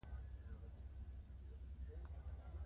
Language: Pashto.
د کلي چاړه او غوښه کول او کوډې ټول د سوچ خبرې وې.